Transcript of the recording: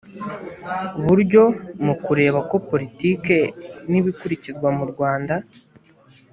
buryo mu kureba ko politiki n ibikurikizwa mu rwanda